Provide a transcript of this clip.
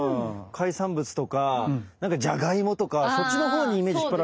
海産物とかじゃがいもとかそっちのほうにイメージ引っ張られて。